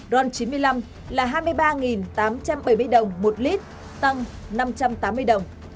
ron chín mươi năm là hai mươi ba tám trăm bảy mươi đồng một lít tăng năm trăm tám mươi đồng